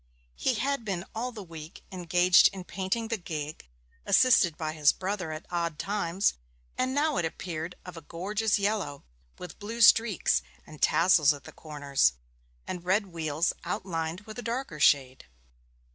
He had been all the week engaged in painting the gig, assisted by his brother at odd times, and it now appeared of a gorgeous yellow, with blue streaks, and tassels at the corners, and red wheels outlined with a darker shade.